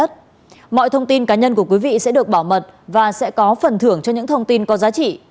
mọi thông tin cá nhân của quý vị sẽ được bảo mật và sẽ có phần thưởng cho những thông tin có giá trị